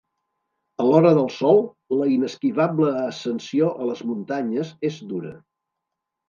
A l'hora del sol, la inesquivable ascensió a les muntanyes és dura.